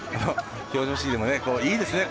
表彰式でも、いいですね